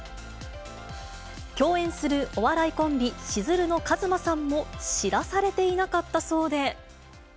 共演するお笑いコンビ、しずるのカズマさんも知らされていなかったそうで。